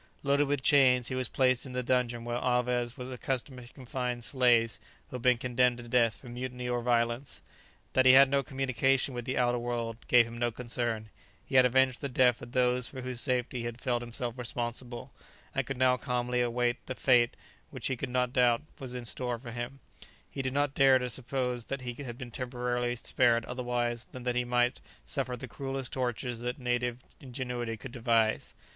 Loaded with chains, he was placed in the dungeon where Alvez was accustomed to confine slaves who had been condemned to death for mutiny or violence. That he had no communication with the outer world gave him no concern; he had avenged the death of those for whose safety he had felt himself responsible, and could now calmly await the fate which he could not doubt was in store for him; he did not dare to suppose that he had been temporarily spared otherwise than that he might suffer the cruellest tortures that native ingenuity could devise.